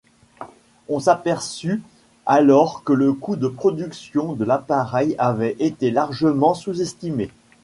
On s’aperçut alors que le cout de production de l’appareil avait été largement sous-estimé.